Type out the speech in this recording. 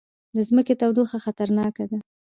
د ځمکې تودوخه خطرناکه ده